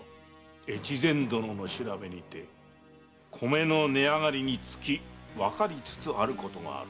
越前殿の調べにて米の値上がりでわかりつつあることがある。